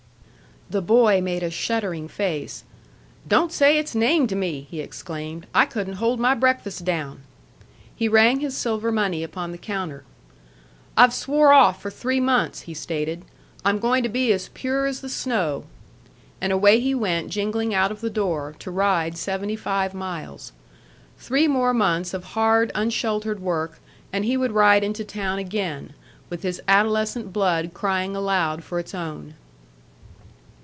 The boy made a shuddering face. "Don't say its name to me!" he exclaimed. "I couldn't hold my breakfast down." He rang his silver money upon the counter. "I've swore off for three months," he stated. "I'm going to be as pure as the snow!" And away he went jingling out of the door, to ride seventy five miles. Three more months of hard, unsheltered work, and he would ride into town again, with his adolescent blood crying aloud for its own.